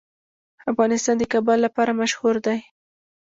افغانستان د کابل لپاره مشهور دی.